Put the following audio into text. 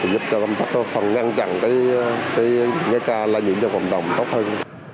giúp cho công tác phần ngăn chặn những ca la nhiễm trong cộng đồng tốt hơn